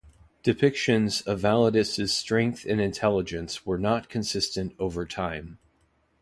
Depictions of Validus' strength and intelligence were not consistent over time.